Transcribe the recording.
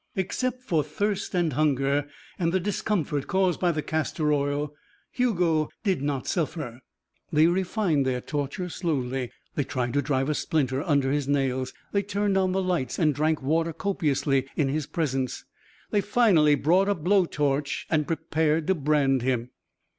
Except for thirst and hunger and the discomfort caused by the castor oil, Hugo did not suffer. They refined their torture slowly. They tried to drive a splinter under his nails; they turned on the lights and drank water copiously in his presence; they finally brought a blowtorch and prepared to brand him.